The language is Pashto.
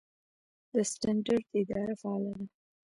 د سټنډرډ اداره فعاله ده؟